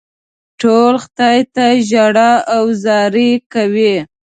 ټول خدای ته ژاړي او زارۍ کوي.